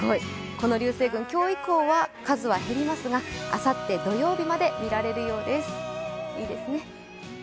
この流星群、今日以降は数は減りますがあさって土曜日まで見られるようです、いいですね。